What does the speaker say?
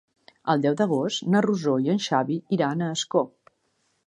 El deu d'agost na Rosó i en Xavi iran a Ascó.